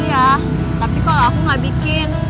iya tapi kok aku gak bikin